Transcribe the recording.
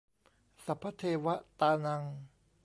สัพพะเทวะตานัง